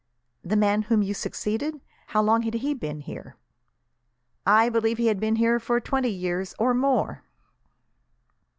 "The man whom you succeeded how long had he been here?" "I believe he had been here for twenty years, or more."